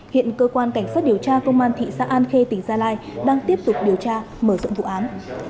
hiện cơ quan cảnh sát điều tra công an thị xã an khê tỉnh gia lai đang tiếp tục điều tra mở rộng vụ án